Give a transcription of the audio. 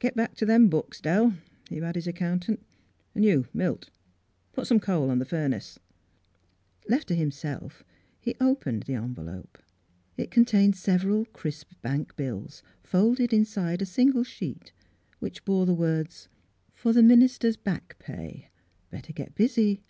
"Git back to them books, Dell," he bade his accountant ;" an' you, Milt, put some coal in the furnace." Left to himself he opened the envelope. It contained several crisp bank bills folded inside a single sheet which bore the words :" For the minister's back pay. Better get busy.